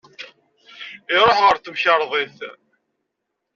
Iruḥ ɣer temkerḍit.